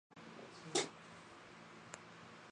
行政中心位于萨瓦德尔与塔拉萨。